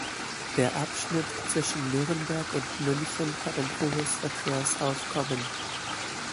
Der Abschnitt zwischen Nürnberg und München hat ein hohes Verkehrsaufkommen.